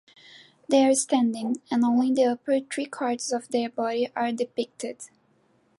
They are standing, and only the upper three-quarters of their bodies are depicted.